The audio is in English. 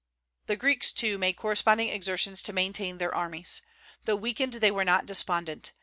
The Greeks, too, made corresponding exertions to maintain their armies. Though weakened, they were not despondent.